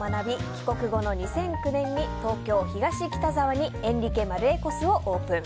帰国後の２００９年に東京・東北沢にエンリケマルエコスをオープン。